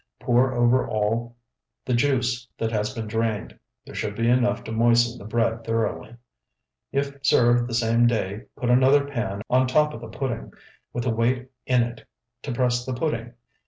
Pour over all the juice that has been drained; there should be enough to moisten the bread thoroughly. If served the same day, put another pan on top of the pudding, with a weight in it, to press the pudding.